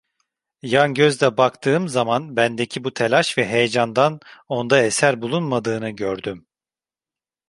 Yan gözle baktığım zaman bendeki bu telaş ve heyecandan onda eser bulunmadığını gördüm.